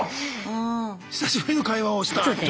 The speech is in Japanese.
久しぶりの会話をした女性。